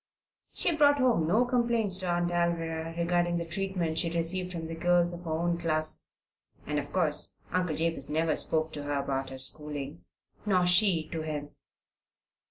She brought home no complaints to Aunt Alvirah regarding the treatment she received from the girls of her own class, and of course uncle Jabez never spoke to her about her schooling, nor she to him.